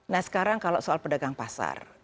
nah sekarang kalau soal pedagang pasar